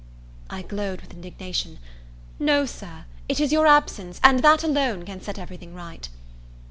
I glowed with indignation. "No, Sir it is your absence, and that alone, can set everything right."